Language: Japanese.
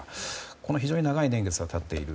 この非常に長い年月が経っている。